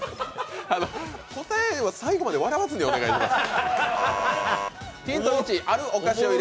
答えを最後まで笑わずにお願いします。